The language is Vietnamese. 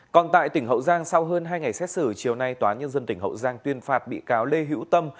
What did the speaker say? còn tại tỉnh hậu giang sau hơn hai ngày xét xử chiều nay tòa nhân dân tỉnh hậu giang tuyên phạt bị cáo lê hữu tâm